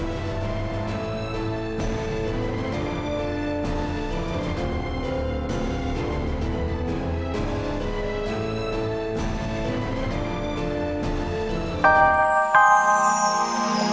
jangan sampai ataque